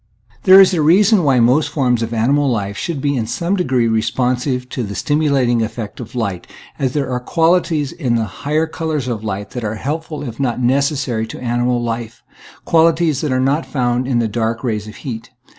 There is a reason why most forms of animal life should be in some degree responsive to the stimulating effect of light, as there are qualities in the higher colors of light that are helpful if not necessary to animal life; quali ties that are not found in the dark rays of heat.